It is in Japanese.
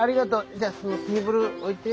じゃあテーブル置いて。